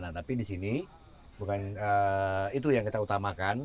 nah tapi di sini bukan itu yang kita utamakan